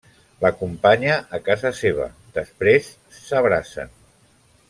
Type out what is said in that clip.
L'acompanya a casa seva, després, s’abracen.